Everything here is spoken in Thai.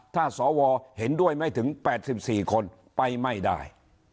ถ้าสวเห็นด้วยไม่ถึง๘๔คนไปไม่ได้